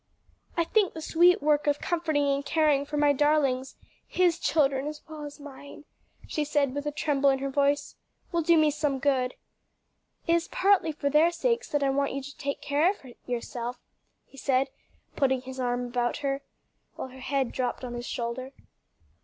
"I think the sweet work of comforting and caring for my darlings his children as well as mine," she said with a tremble in her voice, "will do me good." "It is partly for their sakes that I want you to take care of yourself," he said, putting his arm about her, while her head dropped on his shoulder.